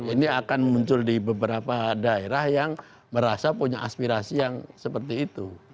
ini akan muncul di beberapa daerah yang merasa punya aspirasi yang seperti itu